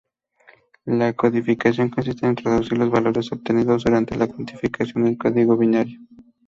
La codificación consiste en traducir los valores obtenidos durante la cuantificación al código binario.